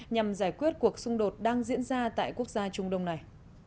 nhằm giải quyết cuộc xung đột đang diễn ra tại quốc gia trung đông này